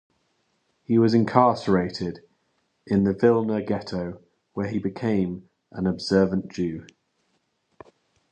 He was incarcerated in the Vilna Ghetto where he became an observant Jew.